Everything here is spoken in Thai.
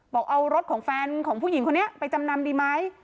บอกเอารถของแฟนของผู้หญิงคนนี้ไปจำนำดีไหม